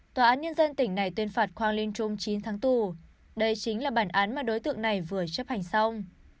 tòa án nhân dân tỉnh này tuyên phạt khoang linh trung chín tháng tù đây chính là bản án mà đối tượng này vừa chấp hành xong